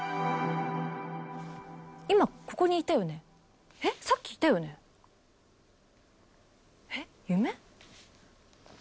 今ここにいたよねえっさっきいたよねえっ夢？